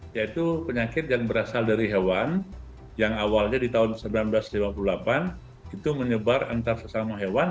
yaitu penyakit yang berasal dari hewan yang awalnya di tahun seribu sembilan ratus lima puluh delapan itu menyebar antar sesama hewan